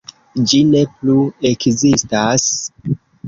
Ĝi ne plu ekzistas.